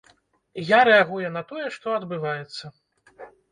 Я рэагую на тое, што адбываецца.